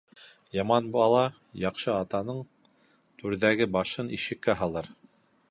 Яман бала яҡшы атаның түрҙәге башын ишеккә һалыр.